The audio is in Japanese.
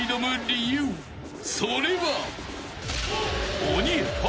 ［それは］